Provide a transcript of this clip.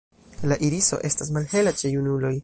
La iriso estas malhela ĉe junuloj.